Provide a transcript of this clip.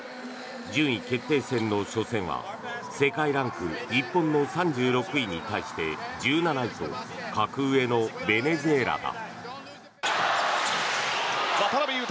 順位決定戦の初戦は世界ランク日本の３６位に対して１７位と格上のベネズエラだ。